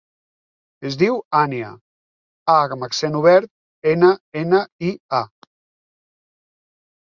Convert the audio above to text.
Es diu Ànnia: a amb accent obert, ena, ena, i, a.